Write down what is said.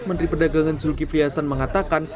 menteri pedagangan sulki fliasan mengatakan